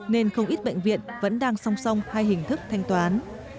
nên không ít bệnh viện vẫn đang song song hai hình thức thanh toán